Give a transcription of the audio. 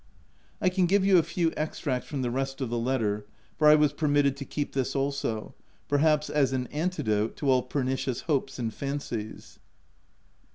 I can give you a few extracts from the rest of the letter, for I was permitted to keep this also — perhaps, as an antidote to all pernicious hopes and fancies.